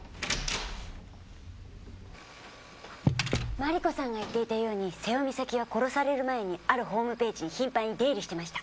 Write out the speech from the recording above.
マリコさんが言っていたように瀬尾美咲は殺される前にあるホームページに頻繁に出入りしてました。